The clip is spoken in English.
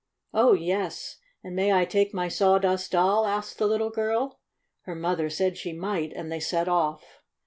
"Oh, yes. And may I take my Sawdust Doll?" asked the little girl. Her mother said she might, and they set off.